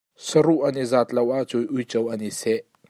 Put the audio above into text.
Saruh an i zat lo ahcun uico an i seh.